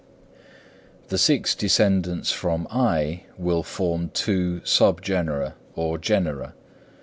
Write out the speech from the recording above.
The six descendants from (I) will form two sub genera or genera.